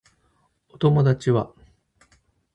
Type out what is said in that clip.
お友達は